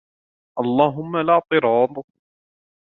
اللهم, لا اعتراض.